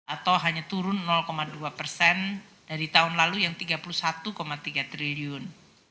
atau hanya turun dua persen dari tahun lalu yang tiga puluh satu tiga triliun